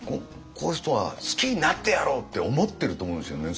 こういう人は好きになってやろうって思ってると思うんですよね。